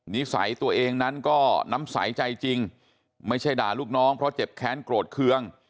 นิสัยตัวเองนั้นก็น้ำใสใจจริงไม่ใช่ด่าลูกน้องเพราะเจ็บแค้นโกรธเคือง